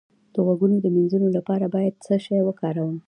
د غوږونو د مینځلو لپاره باید څه شی وکاروم؟